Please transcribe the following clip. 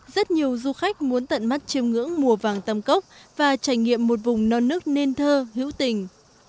rất nhiều du khách muốn tận mắt chiêm ngưỡng mùa vàng tâm cốc và trải nghiệm một vùng non nước nên thơ hữu tình